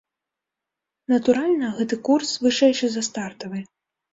Натуральна, гэты курс вышэйшы за стартавы.